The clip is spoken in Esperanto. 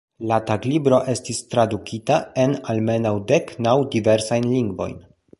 La taglibro estis tradukita en almenaŭ dek naŭ diversajn lingvojn.